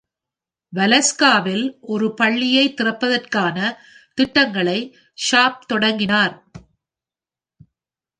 வலெஸ்கா-வில் ஒரு பள்ளியைத் திறப்பதற்கான திட்டங்களை ஷார்ப் தொடங்கினார்.